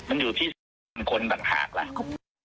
มันอยู่ที่สันดานคนต่างหาก